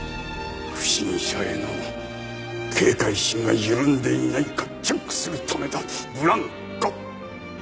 不審者への警戒心が緩んでいないかチェックするためだブランコ。